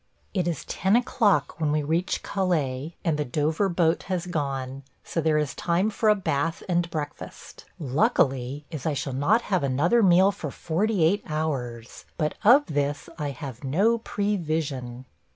It is ten o'clock when we reach Calais, and the Dover boat has gone, so there is time for a bath and breakfast – luckily, as I shall not have another meal for forty eight hours; but of this I have no prevision.